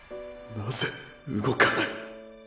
なぜ動かない。